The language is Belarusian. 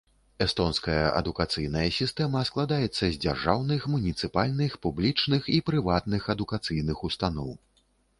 Эстонская адукацыйная сістэма складаецца з дзяржаўных, муніцыпальных, публічных і прыватных адукацыйных устаноў.